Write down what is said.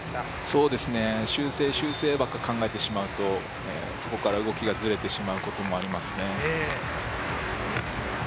そうですね、修正、修正ばかり考えてしまうと、そこから動きがずれてしまうこともありますね。